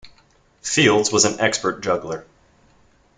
Fields was an expert juggler.